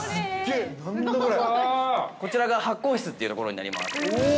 ◆こちらが発酵室というところになります。